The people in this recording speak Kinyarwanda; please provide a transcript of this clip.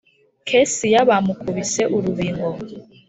kesiya bamukubise urubingo